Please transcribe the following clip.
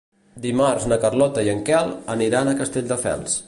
Dimarts na Carlota i en Quel aniran a Castelldefels.